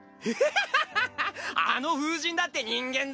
あの風神だって人間だ。